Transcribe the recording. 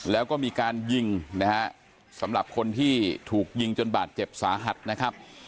แล้วก็มีการยิงนะฮะสำหรับคนที่ถูกยิงจนบาดเจ็บสาหัสนะครับ